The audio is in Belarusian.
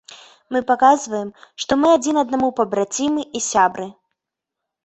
Мы паказваем, што мы адзін аднаму пабрацімы і сябры.